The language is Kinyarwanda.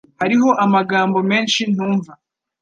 Hariho amagambo menshi ntumva.